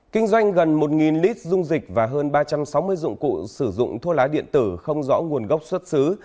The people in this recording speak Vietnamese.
kinh doanh gần một lít dung dịch và hơn ba trăm sáu mươi dụng cụ sử dụng thuốc lá điện tử không rõ nguồn gốc xuất xứ